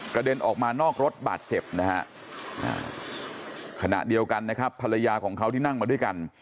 เด็นออกมานอกรถบาดเจ็บนะฮะขณะเดียวกันนะครับภรรยาของเขาที่นั่งมาด้วยกัน